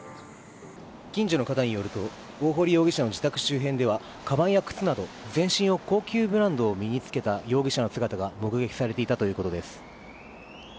近所の方によると大堀容疑者の自宅周辺ではかばんや靴など全身に高級ブランドを身に着けた容疑者の姿が目撃されていたということです。